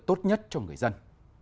tốt nhất cho người dân